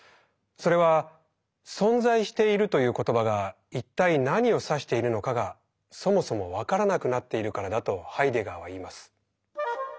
それは「存在している」という言葉が一体何を指しているのかがそもそも分からなくなっているからだとハイデガーは言います。